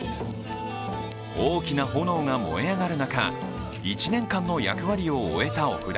大きな炎が燃え上がる中１年間の役割を終えたお札